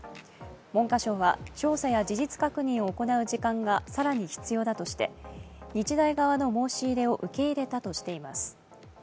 文科省は、調査や事実確認を行う時間が更に必要だとして、日大側の申し入れを受け入れたとしています。